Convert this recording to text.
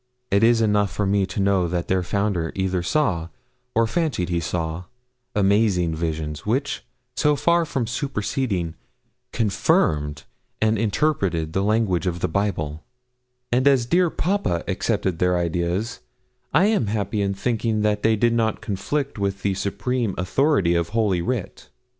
It is enough for me to know that their founder either saw or fancied he saw amazing visions, which, so far from superseding, confirmed and interpreted the language of the Bible; and as dear papa accepted their ideas, I am happy in thinking that they did not conflict with the supreme authority of holy writ.